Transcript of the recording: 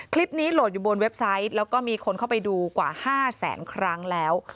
โหลดอยู่บนเว็บไซต์แล้วก็มีคนเข้าไปดูกว่า๕แสนครั้งแล้ว